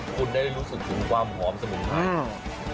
คุณได้รู้สึกถึงความหอมสมุนข้าว